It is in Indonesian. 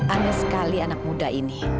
aneh sekali anak muda ini